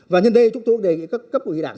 và nhân đây chúng tôi đề nghị các cấp ủy đảng